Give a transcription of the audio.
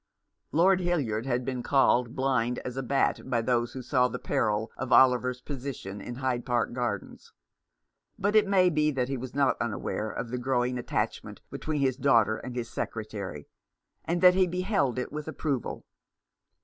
Lord Hildyard had been called blind as a bat by those who saw the peril of Oliver's position in Hyde Park Gardens ; but it may be that he was not unaware of the growing attachment between his daughter and his secretary, and that he beheld it with approval.